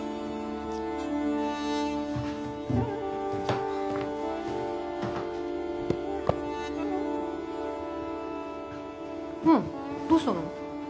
ああどうしたの？